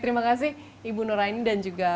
terima kasih ibu nuraini dan juga